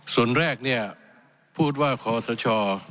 ส่วนแรกเนี่ยพูดว่าขอสช